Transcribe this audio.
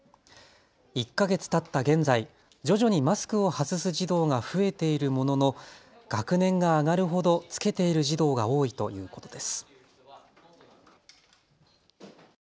１か月たった現在、徐々にマスクを外す児童が増えているものの学年が上がるほど着けている児童が多いということです。